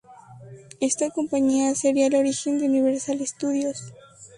Esta compañía sería el origen de Universal Studios.